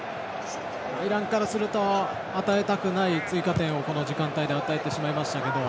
イランからすると与えたくない追加点をこの時間帯で与えてしまいましたけど。